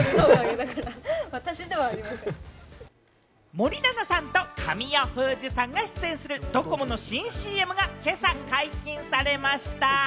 森七菜さんと神尾楓珠さんが出演するドコモの新ＣＭが今朝解禁されました。